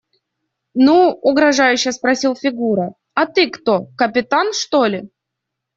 – Ну, – угрожающе спросил Фигура, – а ты кто – капитан, что ли?